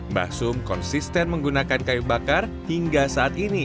mbah sum juga terus meneruskan proses tersebut